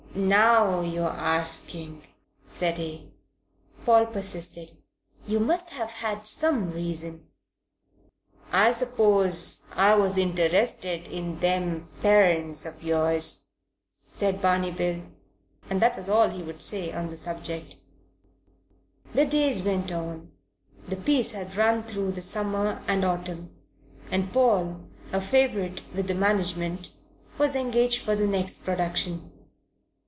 "Now you're arsking," said he. Paul persisted. "You must have had some reason." "I suppose I was interested in them parents of yours," said Barney Bill. And that was all he would say on the subject. The days went on. The piece had run through the summer and autumn, and Paul, a favourite with the management, was engaged for the next production.